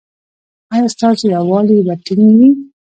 ایا ستاسو یووالي به ټینګ وي؟